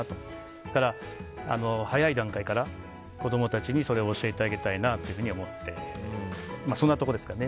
ですから早い段階から子供たちにそれを教えてあげたいなと思って、そんなところですかね。